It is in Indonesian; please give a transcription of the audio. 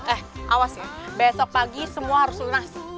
eh awas ya besok pagi semua harus lunas